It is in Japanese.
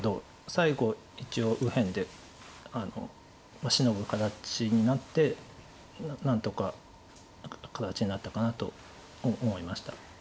最後一応右辺でシノぐ形になって何とか形になったかなと思いました。